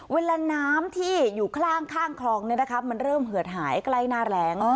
เวลาน้ำที่อยู่ข้างคลองเนี่ยนะครับมันเริ่มเหือดหายใกล้หน้าแหลง